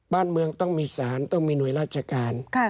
บ้านเมืองต้องมีสารต้องมีหน่วยราชการ